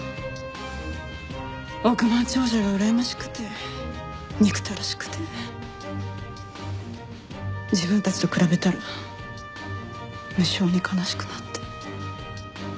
億万長者がうらやましくて憎たらしくて自分たちと比べたら無性に悲しくなって。